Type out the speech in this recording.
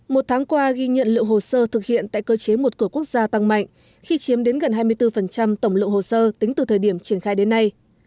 một tháng qua ghi nhận lượng hồ sơ thực hiện tại cơ chế một cửa quốc gia tăng mạnh khi chiếm đến gần hai mươi bốn tổng lượng hồ sơ tính từ thời điểm triển khai đến nay